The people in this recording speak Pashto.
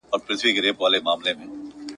آیا په میوند کي دوه قبرونه دي؟